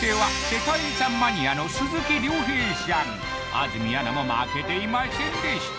安住アナも負けていませんでした